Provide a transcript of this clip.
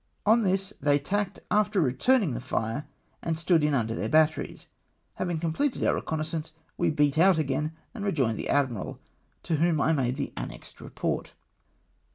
On this they tacked after returning the hre, and stood in under their batteries. Having completed our reconnoissance, we beat out again and rejoined the admiral, to whom I made the annexed report.